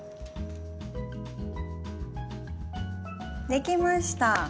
できました！